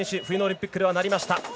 冬のオリンピックではなりました。